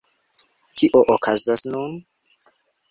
Kio okazas nun?